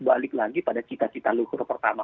balik lagi pada cita cita luhur pertama